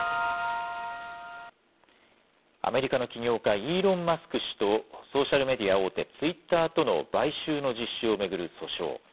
アメリカの起業家、イーロン・マスク氏と、ソーシャルメディア大手、ツイッターとの買収の実施を巡る訴訟。